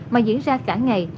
mà diễn ra cả ngày